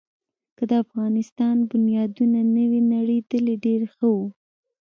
که د افغانستان بنیادونه نه وی نړېدلي، ډېر ښه وو.